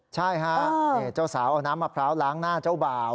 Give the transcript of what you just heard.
ใช่ฮะเจ้าสาวเอาน้ำมะพร้าวล้างหน้าเจ้าบ่าว